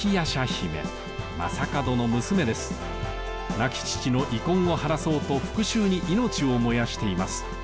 亡き父の遺恨を晴らそうと復しゅうに命を燃やしています。